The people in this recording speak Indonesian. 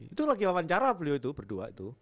itu lagi wawancara beliau itu berdua itu